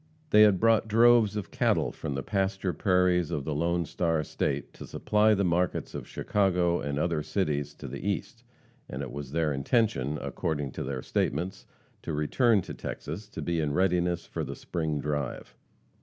They had brought droves of cattle from the pasture prairies of the "Lone Star" state to supply the markets of Chicago and other cities to the east, and it was their intention, according to their statements, to return to Texas to be in readiness for "the spring drive."